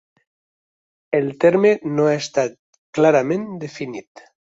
El terme no ha estat clarament definit.